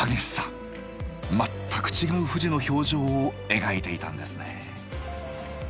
全く違う富士の表情を描いていたんですね。